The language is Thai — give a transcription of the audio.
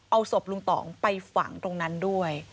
เอาศพลุงต่องไปฝังตรงนั้นด้วย